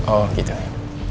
oh gitu ya